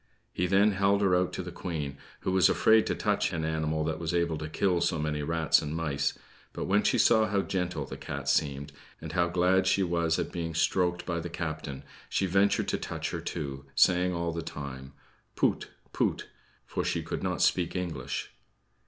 He then held her out to the Queen, who was afraid to touch an animal that was able to kill so many rats and mice; but when she saw how gentle the cat seemed, and how glad she was at being stroked by the captain, she ventured to touch her too, saying all the time: "Poot, poot," for she could not speak English.